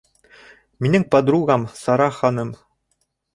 Минең подругам - Сара ханым.